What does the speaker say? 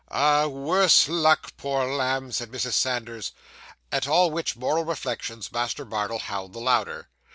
'Ah! worse luck, poor lamb!' said Mrs. Sanders. At all which moral reflections, Master Bardell howled the louder.